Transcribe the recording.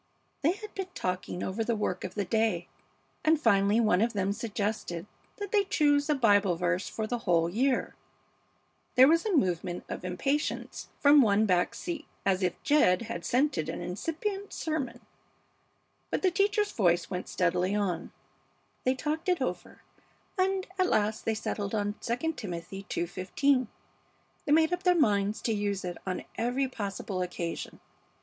"They had been talking over the work of the day, and finally one of them suggested that they choose a Bible verse for the whole year " There was a movement of impatience from one back seat, as if Jed had scented an incipient sermon, but the teacher's voice went steadily on: "They talked it over, and at last they settled on II Timothy ii:15. They made up their minds to use it on every possible occasion.